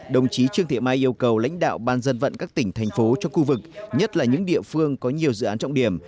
đồng chí trương thị mai yêu cầu lãnh đạo ban dân vận các tỉnh thành phố trong khu vực nhất là những địa phương có nhiều dự án trọng điểm